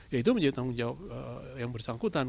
ya itu menjadi tanggung jawab yang bersangkutan